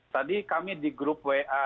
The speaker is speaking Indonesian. tadi kami di grup wa